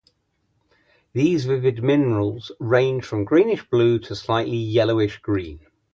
These vivid minerals range from greenish blue to slightly yellowish green.